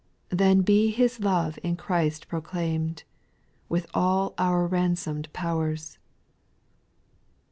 68 Then be His love in Christ proclaimed, With all our ransomed powers.